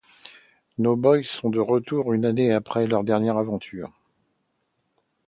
Nos Boys sont de retour une année après leurs dernières aventures.